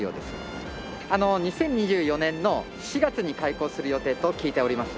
２０２４年の４月に開校する予定と聞いております。